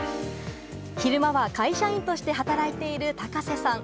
昼間は会社員として働いている高瀬さん。